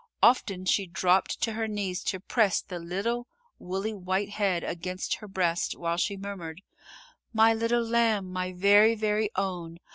Often she dropped to her knees to press the little woolly white head against her breast, while she murmured: "My little lamb, my very, very own.